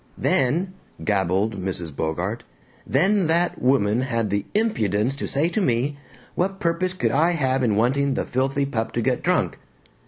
"Then," gabbled Mrs. Bogart, "then that woman had the impudence to say to me, 'What purpose could I have in wanting the filthy pup to get drunk?'